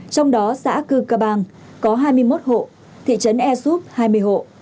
trong đó xã cư cà bang có hai mươi một hộ thị trấn air soup hai mươi hộ